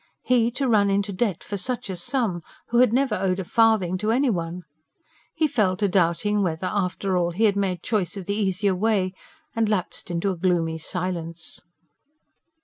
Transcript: He to run into debt for such a sum, who had never owed a farthing to anyone! He fell to doubting whether, after all, he had made choice of the easier way, and lapsed into a gloomy silence.